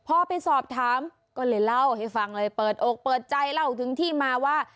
พอไปสอบถามก็เลยเล่าให้ฟังเลยเปิดอกเปิดใจเล่าถึงที่มาว่า